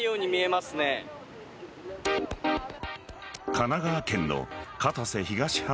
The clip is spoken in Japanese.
神奈川県の片瀬東浜